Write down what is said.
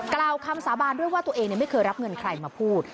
กล่าวคำสาบานด้วยว่าตัวเองไม่เคยรับเงินใครมาพูด